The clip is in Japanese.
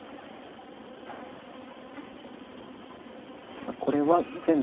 さあこれは全部取るか。